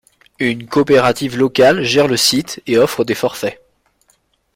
Une coopérative locale gère le site et offre des forfaits.